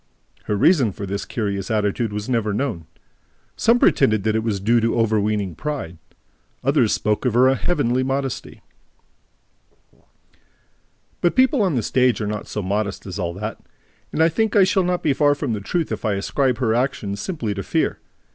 Her reason for this curious attitude was never known. Some pretended that it was due to overweening pride; others spoke of her heavenly modesty. But people on the stage are not so modest as all that; and I think that I shall not be far from the truth if I ascribe her action simply to fear.